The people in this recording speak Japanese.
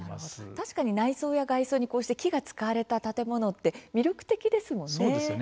確かに内装や外装にこうして木が使われた建物って魅力的ですもんね。